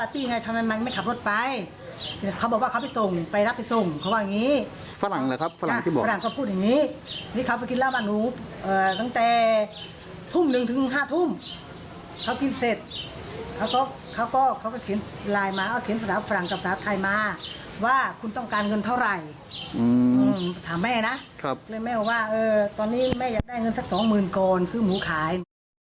ถามแม่นะตอนนี้แม่อยากได้เงินสัก๒หมื่นก่อนซื้อหมูขาย